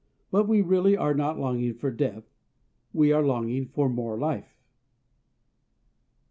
But we really are not longing for death; we are longing for more life.